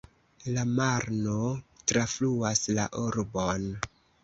La Marno trafluas la urbon.